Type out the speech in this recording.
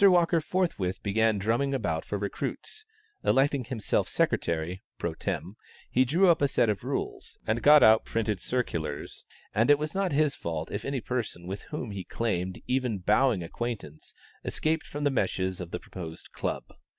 Walker forthwith began drumming about for recruits; electing himself secretary, pro tem., he drew up a set of rules, and got out printed circulars, and it was not his fault if any person with whom he claimed even bowing acquaintance, escaped from the meshes of the proposed club.